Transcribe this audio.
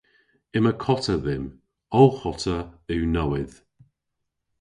Yma kota dhymm. Ow hota yw nowydh.